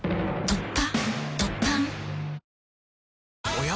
おや？